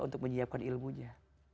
untuk menyiapkan ilmunya